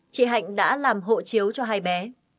chị hạnh đã làm hộ chiếu cho hai bé